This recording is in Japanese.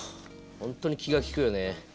本当に気が利くよね。